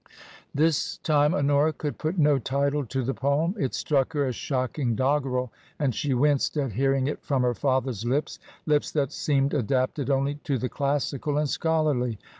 This time Honora could put no title to the poem. It struck her as shocking doggerel, and she winced at hearing it from her father's lips — lips that seemed adapted only to the classical and scholarly.